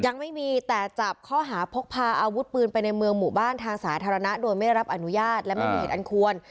ยังไม่มีแต่จับข้อหาพกพาอาวุธปืนไปในเมืองหมู่บ้านทางสาธารณะโดยไม่ได้รับอนุญาตและไม่มีเหตุอันควร